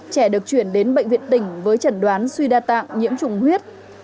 trẻ được chuyển đến bệnh viện tỉnh với trần đoán suy đa tạng nhiễm trùng huyết